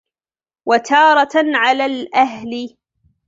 وَتَارَةً عَلَى الْأَهْلِ